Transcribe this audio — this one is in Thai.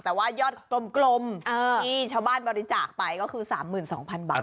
แต่ว่ายอดกลมที่ชาวบ้านบริจาคไปก็คือ๓๒๐๐๐บาท